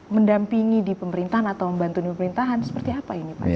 mendampingi di pemerintahan atau membantu di pemerintahan seperti apa ini pak